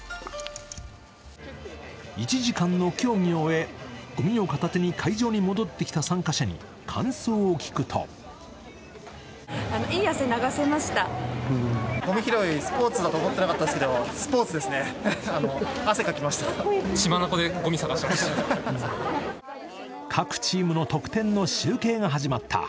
１時間の競技を終え、ごみを片手に会場に戻ってきた参加者に感想を聞くと各チームの得点の集計が始まった。